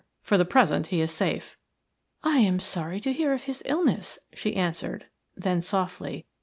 For the present he is safe." "I am sorry to hear of his illness," she answered then, softly.